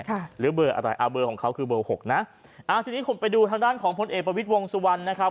หรือเบอร์อะไรอ่าเบอร์ของเขาคือเบอร์หกนะอ่าทีนี้ผมไปดูทางด้านของพลเอกประวิทย์วงสุวรรณนะครับ